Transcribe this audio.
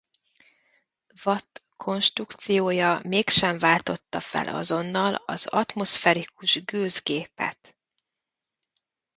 Watt konstrukciója mégsem váltotta fel azonnal az atmoszferikus gőzgépet.